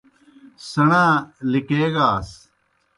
سیْݨا لِکیگاس۔